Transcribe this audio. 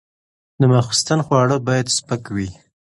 د ماخوستن خواړه باید سپک وي.